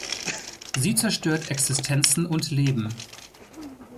Sie zerstört Existenzen und Leben.